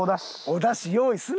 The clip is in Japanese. おだし用意すな！